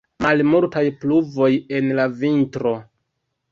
Malmultaj pluvoj en la vintro.